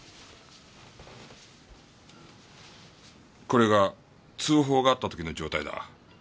これが通報があった時の状態だ。